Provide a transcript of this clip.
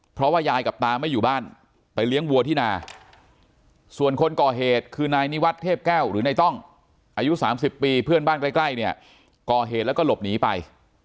เพราะว่ายายกับตาไม่อยู่บ้านไปเลี้ยงวัวที่นาส่วนคนก่อเหตุคือนายนิวัตรเทพแก้วหรือนายต้องอายุ๓๐ปีเพื่อนบ้านใกล้เนี่ยก่อเหตุแล้วก็หลบหนีไป